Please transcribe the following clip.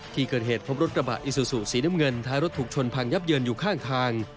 ที่เกิดเหตุพบรถกระบะอิซูซูสีน้ำเงินท้ายรถถูกชนพังยับเยินอยู่ข้างทาง